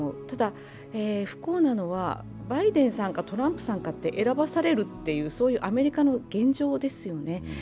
ただ不幸なのはバイデンさんかトランプさんかと選ばされるそういうアメリカの現状ですよね。